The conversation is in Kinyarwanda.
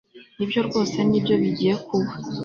Nibyo rwose nibyo bigiye kuba